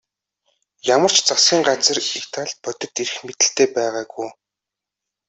Ямар ч засгийн газар Италид бодит эрх мэдэлтэй байгаагүй.